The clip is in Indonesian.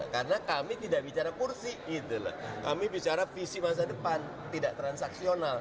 karena kami tidak bicara kursi kami bicara visi masa depan tidak transaksional